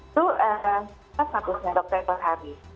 itu pas bagusnya dokter perhari